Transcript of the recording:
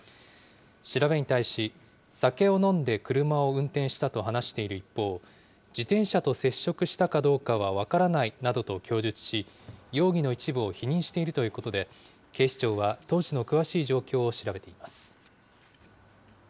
調べに対し、酒を飲んで車を運転したと話している一方、自転車と接触したかどうかは分からないなどと供述し、容疑の一部を否認しているということで、警視庁は当時の詳しい状況を調べています。